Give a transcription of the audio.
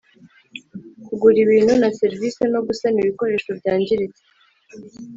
kugura ibintu na serivisi no gusana ibikoresho byangiritse;